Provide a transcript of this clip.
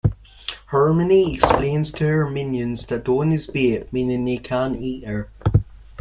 Harmony explains to her minions that Dawn is bait, meaning they can't eat her.